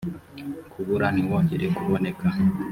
kubura ntiwongere kuboneka